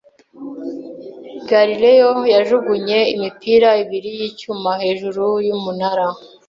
Galileo yajugunye imipira ibiri yicyuma hejuru yumunara.